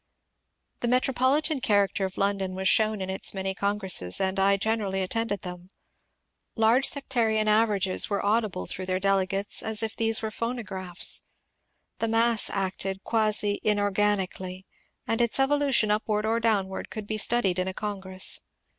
The metropolitan character of London was shown in its many congresses, and I generally attended them. Large sec tarian averages were audible through their delegates as if these were phonographs. The mass acted quasi inorganicaUy, and its evolution upward or downward could be studied in a congress.